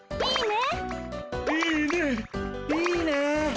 いいね。